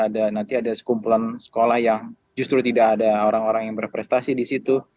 ada nanti ada sekumpulan sekolah yang justru tidak ada orang orang yang berprestasi di situ